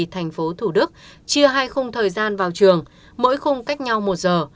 thành phố thủ đức chia hai khung thời gian vào trường mỗi khung cách nhau một giờ